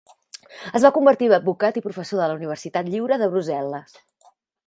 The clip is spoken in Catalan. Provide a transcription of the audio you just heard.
Es va convertir en advocat i professor de la Universitat Lliure de Brussel·les.